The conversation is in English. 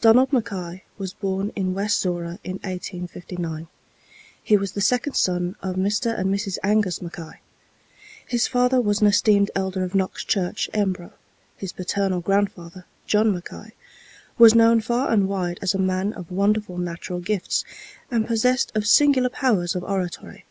Donald Mackay was born in West Zorra in 1859. He was the second son of Mr. and Mrs. Angus Mackay. His father was an esteemed elder of Knox Church, Embro. His paternal grandfather, John Mackay, was known far and wide as a man of wonderful natural gifts, and possessed of singular powers of oratory.